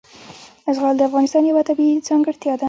زغال د افغانستان یوه طبیعي ځانګړتیا ده.